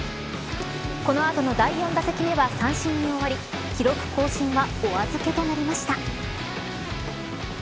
この後の第４打席は三振に終わり記録更新はお預けとなりました。